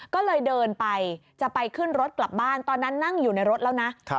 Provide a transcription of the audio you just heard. ก็เลยเดินไปจะไปขึ้นรถกลับบ้านตอนนั้นนั่งอยู่ในรถแล้วนะ